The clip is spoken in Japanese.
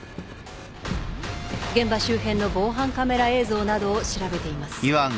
現場周辺の防犯カメラ映像などを調べています。